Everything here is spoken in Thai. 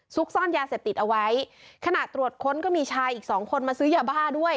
ซ่อนยาเสพติดเอาไว้ขณะตรวจค้นก็มีชายอีกสองคนมาซื้อยาบ้าด้วย